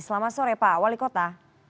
selamat sore pak wali kota